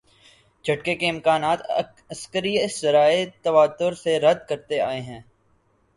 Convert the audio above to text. جھٹکے کے امکانات عسکری ذرائع تواتر سے رد کرتے آئے ہیں۔